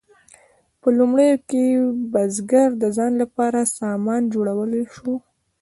په لومړیو کې بزګر د ځان لپاره سامان جوړولی شو.